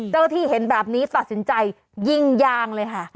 เจ้าหน้าที่เห็นแบบนี้ตัดสินใจยิงยางเลยค่ะ